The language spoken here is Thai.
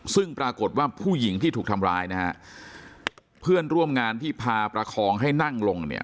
ซึ่งปรากฏว่าผู้หญิงที่ถูกทำร้ายนะฮะเพื่อนร่วมงานที่พาประคองให้นั่งลงเนี่ย